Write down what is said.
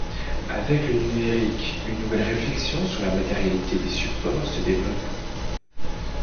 Avec le numérique, une nouvelle réflexion sur la matérialité des supports se développe.